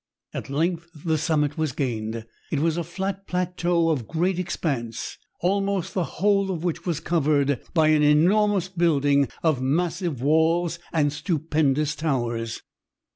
At length the summit was gained. It was a flat plateau of great expanse, almost the whole of which was covered by an enormous building of massive walls and stupendous towers.